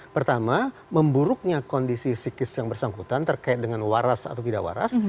pertama memburuknya kondisi psikis yang bersangkutan terkait dengan waras atau tidak waras